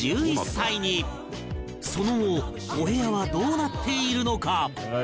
その後お部屋はどうなっているのか？